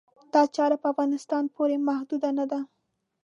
دا چاره په افغانستان پورې محدوده نه ده.